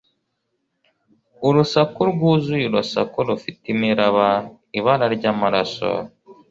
urusaku rwuzuye urusaku rufite imiraba ibara ryamaraso